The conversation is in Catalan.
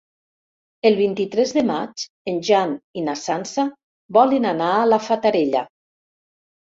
El vint-i-tres de maig en Jan i na Sança volen anar a la Fatarella.